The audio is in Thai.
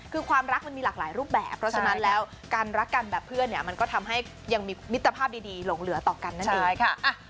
คือความรักมันมีหลากหลายรูปแบบเพราะฉะนั้นแล้วการรักกันแบบเพื่อนเนี่ยมันก็ทำให้ยังมีมิตรภาพดีหลงเหลือต่อกันนั่นเองใช่ค่ะ